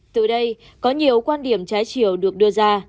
từ đây có nhiều quan điểm trái chiều được đưa ra